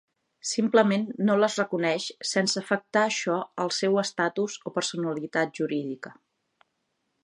Simplement no les reconeix sense afectar això al seu estatus o personalitat jurídica.